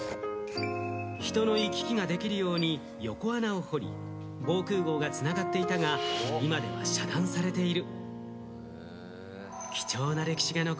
人の行き来ができるように横穴を掘り、防空壕が繋がっていたが、今では遮断されている。